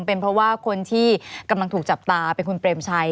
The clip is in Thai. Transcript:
เป็นเพราะว่าคนที่กำลังถูกจับตาเป็นคุณเปรมชัย